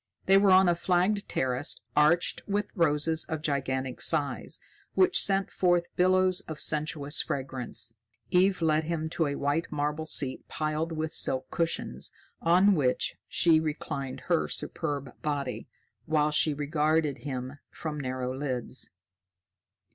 They were on a flagged terrace arched with roses of gigantic size, which sent forth billows of sensuous fragrance. Eve led him to a white marble seat piled with silk cushions, on which she reclined her superb body, while she regarded him from narrowed lids.